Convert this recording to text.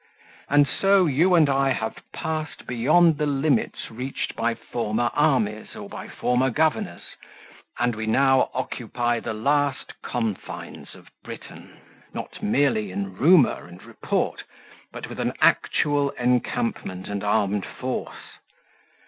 And so you and I have passed beyond the limits reached by former armies or by former governors, and we now occupy the last confines of Britain, not merely in rumour and report, but with an actual encampment and armed force.